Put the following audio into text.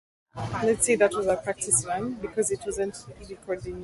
Jamii za walendu na wahema zina mzozo wa muda mrefu.